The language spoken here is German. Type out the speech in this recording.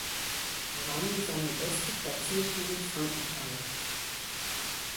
Rang seine beste Platzierung mit Frankenthal.